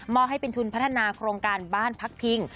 ให้เป็นทุนพัฒนาโครงการบ้านพักพิง